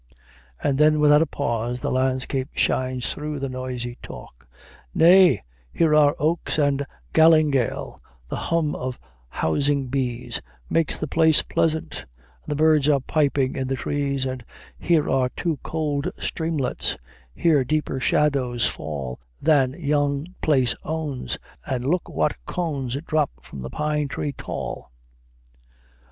And then, without a pause, the landscape shines through the noisy talk: "Nay, here are oaks and galingale: the hum of housing bees Makes the place pleasant, and the birds are piping in the trees, And here are two cold streamlets; here deeper shadows fall Than yon place owns, and look what cones drop from the pine tree tall."